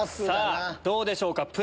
さぁどうでしょうか？